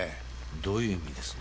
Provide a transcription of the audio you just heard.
どういう意味です？